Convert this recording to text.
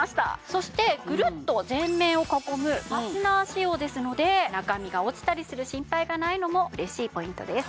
そしてグルッと全面を囲むファスナー仕様ですので中身が落ちたりする心配がないのも嬉しいポイントです。